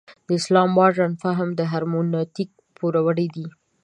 د اسلام مډرن فهم د هرمنوتیک پوروړی دی.